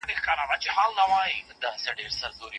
دا ټول د زعفرانو په ګټه دي.